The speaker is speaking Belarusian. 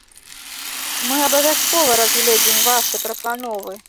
Мы абавязкова разгледзім вашы прапановы.